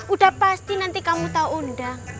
udah pasti nanti kamu tahu undang